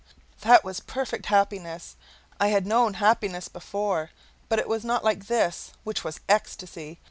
That was perfect happiness; I had known happiness before, but it was not like this, which was ecstasy.